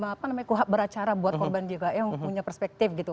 apa namanya kuhab beracara buat korban jk yang punya perspektif gitu